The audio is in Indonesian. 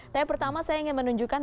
tapi pertama saya ingin menunjukkan